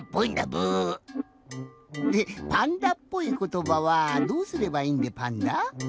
でパンダっぽいことばはどうすればいいんでパンダ？